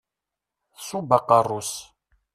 Tṣubb aqerru-s.